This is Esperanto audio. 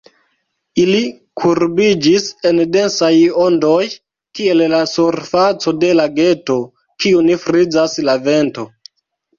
Ili kurbiĝis en densaj ondoj, kiel la surfaco de lageto, kiun frizas la vento.